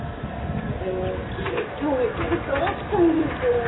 今日も行けると思ったんですけどね。